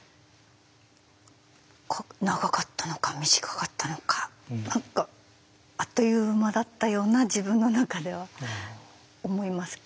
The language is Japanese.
長かったのか短かったのか何かあっという間だったような自分の中では思いますけれど。